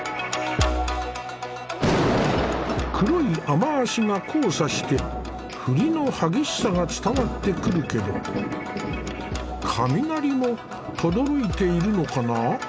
黒い雨脚が交差して降りの激しさが伝わってくるけど雷もとどろいているのかな。